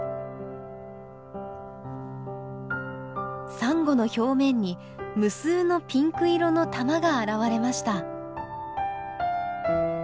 サンゴの表面に無数のピンク色の玉が現れました。